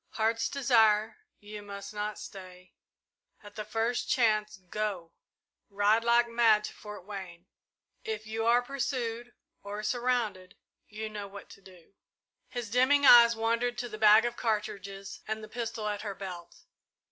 "Heart's Desire, you must not stay. At the first chance, go ride like mad to to Fort Wayne if you are pursued or surrounded you know what to do!" His dimming eyes wandered to the bag of cartridges and the pistol at her belt.